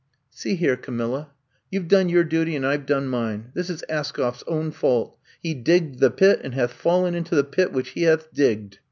'* See here, Camilla, you Ve done your duty and I Ve done mine. This is Askoff 's own fault. He digged the pit and hath fallen into the pit which he hath digged.